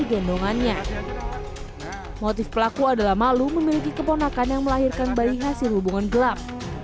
gendongannya motif pelaku adalah malu memiliki keponakan yang melahirkan bayi hasil hubungan gelap